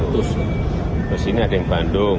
terus sini ada yang bandung